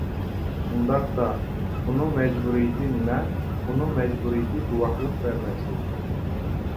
ئۇنداقتا، ئۇنىڭ مەجبۇرىيىتى نېمە؟ ئۇنىڭ مەجبۇرىيىتى گۇۋاھلىق بەرمەسلىك.